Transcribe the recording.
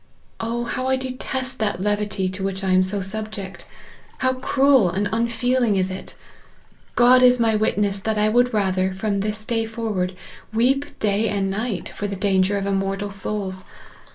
Oh ! how I detest that levity to which I am so subject ! How cruel and unfeeling is it ! God is my witness that I would rather, from this day forward, weep day and night, for the danger of immortal souls.